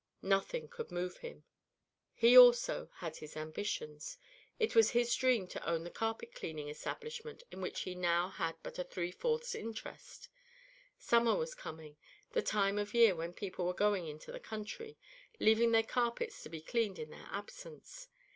Nothing could move him. He, also, had his ambitions; it was his dream to own the carpet cleaning establishment in which he now had but a three fourths interest. Summer was coming, the time of year when people were going into the country, leaving their carpets to be cleaned in their absence.